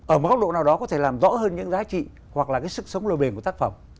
ở một góc độ nào đó có thể làm rõ hơn những giá trị hoặc là cái sức sống lâu bền của tác phẩm